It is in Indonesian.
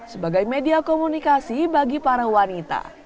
sebagai media komunikasi bagi para wanita